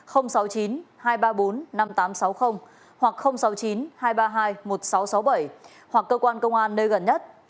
sáu mươi chín hai trăm ba mươi bốn năm nghìn tám trăm sáu mươi hoặc sáu mươi chín hai trăm ba mươi hai một nghìn sáu trăm sáu mươi bảy hoặc cơ quan công an nơi gần nhất